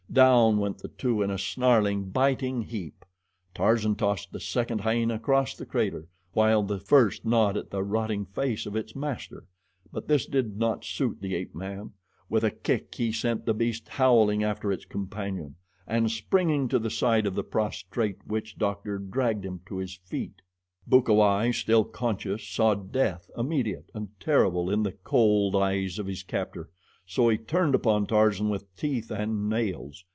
Down went the two in a snarling, biting heap. Tarzan tossed the second hyena across the crater, while the first gnawed at the rotting face of its master; but this did not suit the ape man. With a kick he sent the beast howling after its companion, and springing to the side of the prostrate witch doctor, dragged him to his feet. Bukawai, still conscious, saw death, immediate and terrible, in the cold eyes of his captor, so he turned upon Tarzan with teeth and nails.